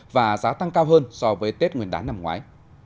và giá tăng cao hơn so với tết nguyên đán năm ngoái